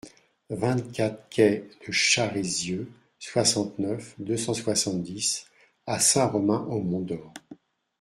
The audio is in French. vingt-quatre quai de Charézieux, soixante-neuf, deux cent soixante-dix à Saint-Romain-au-Mont-d'Or